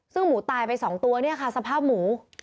ซึ่งหมูตายไป๒ตัวเนี่ยค่ะสภาพหมู